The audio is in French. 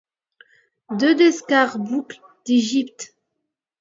Deux escarboucles d'Égypte.